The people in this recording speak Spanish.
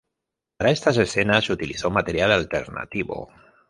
Para estas escenas, se utilizó material alternativo.